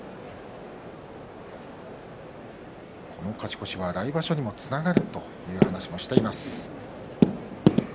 この勝ち越しは来場所にもつながるという話もしています。